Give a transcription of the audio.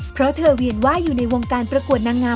เพราะเธอเวียนว่าอยู่ในวงการประกวดนางงาม